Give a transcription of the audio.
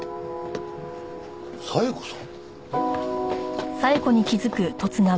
冴子さん？